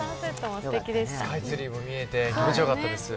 スカイツリーも見えて気持ちよかったです。